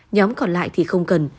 nhóm còn lại thì không cần